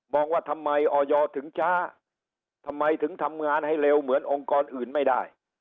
ว่าทำไมออยถึงช้าทำไมถึงทำงานให้เร็วเหมือนองค์กรอื่นไม่ได้